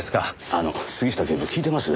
あの杉下警部聞いてます？